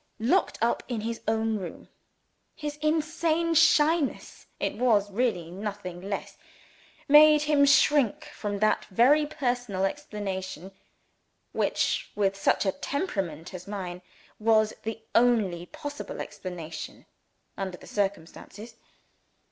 Locked up in his own room! His insane shyness it was really nothing less made him shrink from that very personal explanation which (with such a temperament as mine) was the only possible explanation under the circumstances.